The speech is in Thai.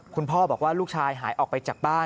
คุณพ่อบอกว่าลูกชายหายออกไปจากบ้าน